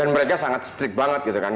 dan mereka sangat strict banget gitu kan